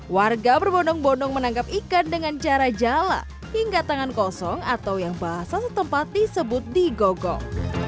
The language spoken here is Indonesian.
warga berbondong bondong menangkap ikan dengan cara jala hingga tangan kosong atau yang bahasa setempat disebut digogong